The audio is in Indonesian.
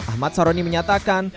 ahmad saroni menyatakan